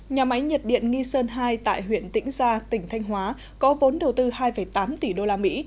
nhà máy nhiệt điện nghi sơn hai tại huyện tĩnh gia tỉnh thanh hóa có vốn đầu tư hai tám tỷ đô la mỹ